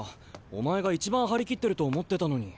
お前が一番張り切ってると思ってたのに。